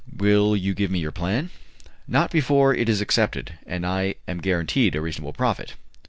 "Will you give me your plan?" "Not before it is accepted, and I am guaranteed a reasonable profit."